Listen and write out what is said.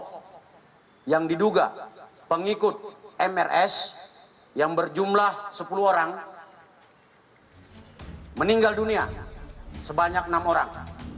yang diduga pengikut mrs yang berjumlah sepuluh orang meninggal dunia sebanyak enam orang